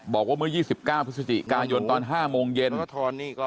บอกว่าเมื่อ๒๙พฤศจิกายนตอน๕โมงเย็น